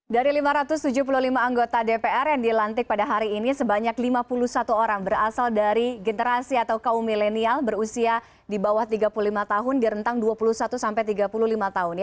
dari lima ratus tujuh puluh lima anggota dpr yang dilantik pada hari ini sebanyak lima puluh satu orang berasal dari generasi atau kaum milenial berusia di bawah tiga puluh lima tahun di rentang dua puluh satu sampai tiga puluh lima tahun